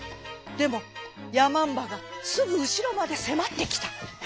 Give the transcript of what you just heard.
でもやまんばがすぐうしろまでせまってきた。